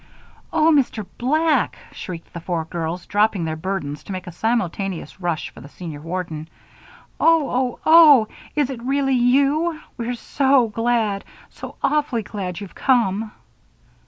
"Oh, Mr. Black!" shrieked the four girls, dropping their burdens to make a simultaneous rush for the senior warden. "Oh! oh! oh! Is it really you? We're so glad so awfully glad you've come!"